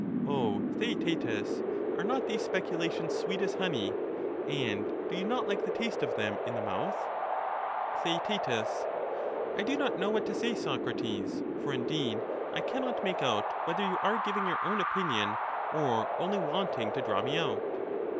O Theaetetus, are not these speculations sweet as honey? And do you not like the taste of them in the mouth ? Theaei, I do not know what to say, Socrates ; for, indeed, I cannot make out whether you are giving your own opinion or only wanting to draw me out.